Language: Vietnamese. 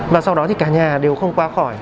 và sau đó thì cả nhà đều không qua khỏi